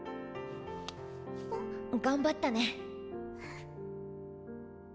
頑張ったね。